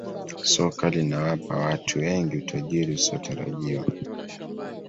Soka linawapa watu wengi utajiri usiotarajiwa